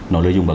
nó lợi dụng vào